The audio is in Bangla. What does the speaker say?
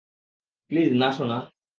প্লিজ - না, সোনা।